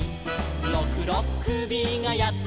「ろくろっくびがやってきた」